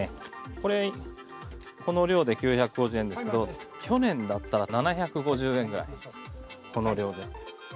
この量で９５０円ですけど去年だったら７５０円ぐらい、この量で。